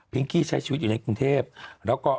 ปิงกี้ใช้ชีวิตในกรุงเทพค่ะ